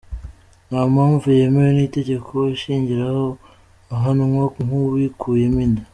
nta mpamvu yemewe n’itegeko ashingiraho ahanwa nk’uwikuyemo inda